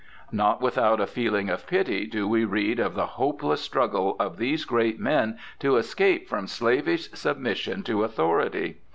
Not without a feeling of pity do we read of the hopeless struggle of these great men to escape from slavish submission to authority.